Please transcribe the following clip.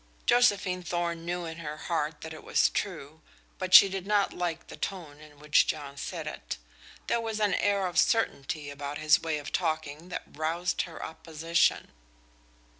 Josephine Thorn knew in her heart that it was true, but she did not like the tone in which John said it. There was an air of certainty about his way of talking that roused her opposition.